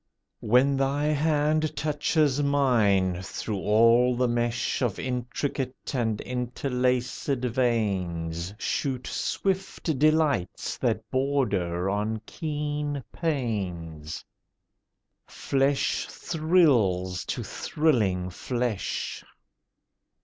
When thy hand touches mine, through all the mesh Of intricate and interlacèd veins Shoot swift delights that border on keen pains: Flesh thrills to thrilling flesh.